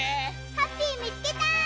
ハッピーみつけた！